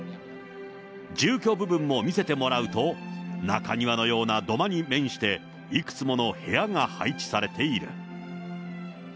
住居部分も見せてもらうと、中庭のような土間に面して、いくつもの部屋が配置されている。